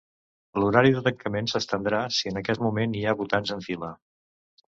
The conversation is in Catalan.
L'horari de tancament s'estendrà si en aquest moment hi ha votants en fila.